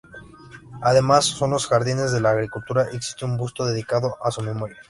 Además, en los jardines de la Agricultura existe un busto dedicado a su memoria.